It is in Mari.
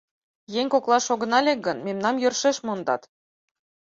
Еҥ коклаш огына лек гын, мемнам йӧршеш мондат.